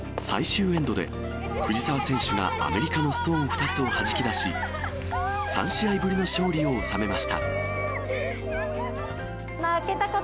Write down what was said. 最終エンドで、藤澤選手がアメリカのストーン２つをはじき出し、３試合ぶりの勝利を収めました。